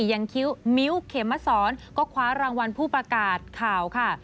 มิ้วเขมสอนก็คว้ารางวัลผู้ประกาศข่าวค่ะ